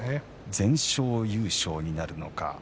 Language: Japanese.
全勝優勝になるのか